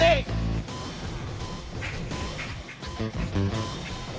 jangan berat woi